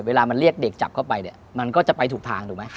เวลามันเรียกเด็กจับเข้าไปเนี่ยมันก็จะไปถูกทางถูกไหม